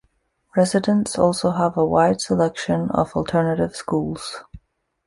Residents also have a wide selection of alternative schools.